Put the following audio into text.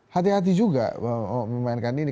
hati hati juga memainkan ini